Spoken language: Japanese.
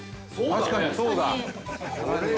◆確かに、そうだ。